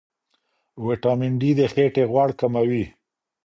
ویټامین ډي د خېټې غوړ کموي.